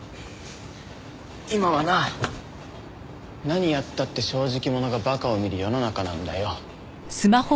今はな何やったって正直者が馬鹿を見る世の中なんだよ。